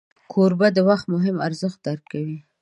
کوربه د وخت مهم ارزښت درک کوي.